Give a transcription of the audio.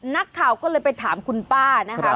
นักข่าวก็เลยไปถามคุณป้านะคะ